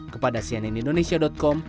kepada cnn indonesia com